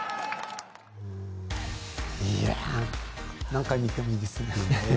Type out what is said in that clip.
何回見てもいいですね。